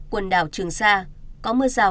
quần đảo trường sa có mưa rào